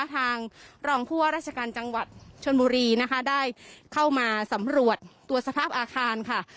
ทางรองผู้ว่าราชการจังหวัดชนบุรีนะคะได้เข้ามาสำรวจตัวสภาพอาคารค่ะ